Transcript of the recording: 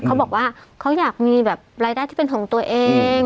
เขาบอกว่าเขาอยากมีแบบรายได้ที่เป็นของตัวเอง